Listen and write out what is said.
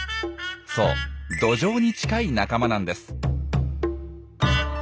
そうドジョウに近い仲間なんです。